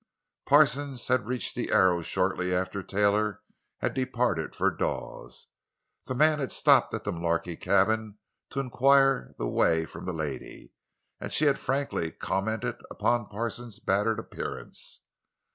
Parsons had reached the Arrow shortly after Taylor had departed for Dawes. The man had stopped at the Mullarky cabin to inquire the way from the lady, and she had frankly commented upon Parsons' battered appearance.